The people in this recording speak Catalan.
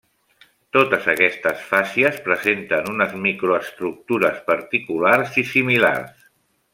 Totes aquestes fàcies presenten unes microestructures particulars i similars.